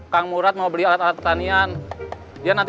kang murad mau bertanding sama kang murad